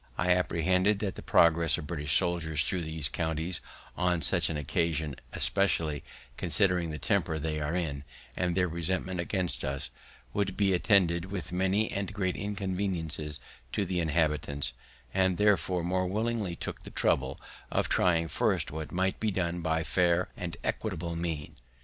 "I apprehended that the progress of British soldiers through these counties on such an occasion, especially considering the temper they are in, and their resentment against us, would be attended with many and great inconveniences to the inhabitants, and therefore more willingly took the trouble of trying first what might be done by fair and equitable means.